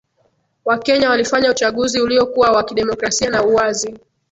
Wakenya walifanya uchaguzi uliokuwa wa kidemokrasia na uwazi